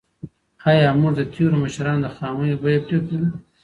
ایا موږ د تېرو مشرانو د خامیو بیه پرې کوو؟